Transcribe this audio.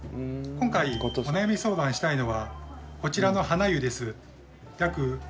今回お悩み相談したいのはこちらのハナユです。